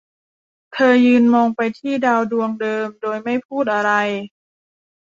เธอยืนมองไปที่ดาวดวงเดิมโดยไม่พูดอะไร